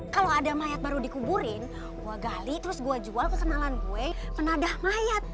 kalau ada mayat baru dikuburin gue gali terus gue jual kesenalan gue penadah mayat